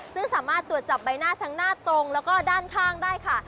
ซึ่งสามารถตรวจจับใบหน้าทั้งหน้าตรงแล้วก็ด้านข้างได้ค่ะ